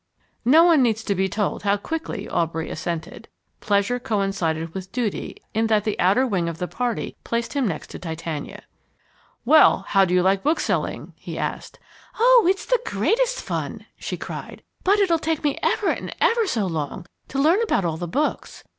No one needs to be told how quickly Aubrey assented. Pleasure coincided with duty in that the outer wing of the party placed him next to Titania. "Well, how do you like bookselling?" he asked. "Oh, it's the greatest fun!" she cried. "But it'll take me ever and ever so long to learn about all the books.